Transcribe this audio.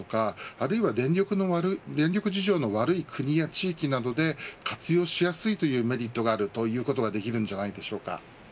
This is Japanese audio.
あるいは、電力の電力事情の悪い国や地域などで活用しやすいというメリットがあるということがいえるんじゃないでしょうか。